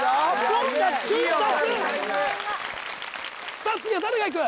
さあ次は誰がいく？